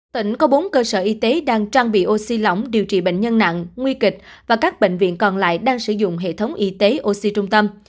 tỉnh có bốn cơ sở y tế đang trang bị oxy lỏng điều trị bệnh nhân nặng nguy kịch và các bệnh viện còn lại đang sử dụng hệ thống y tế oxy trung tâm